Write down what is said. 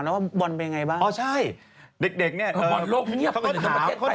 ว่าพี่หนุ่มบอกหน่อยว่าเด็กจะถามแล้วว่าบอลไปยังไงบ้าง